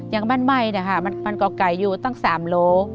อย่างบ้านไหม้นะคะมันก็ไก่อยู่ตั้ง๓โล